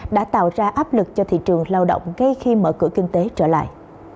đã tạo ra áp lực cho thị trường lao động ngay khi mở cửa kinh tế trở lại